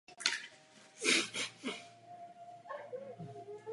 Současně Evropa nesmí ohrozit svou zvláštní multikulturní povahu nebo rozmanitost.